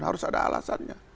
harus ada alasannya